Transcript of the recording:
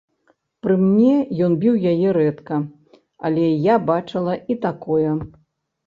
Пры мне ён біў яе рэдка, але я бачыла і такое.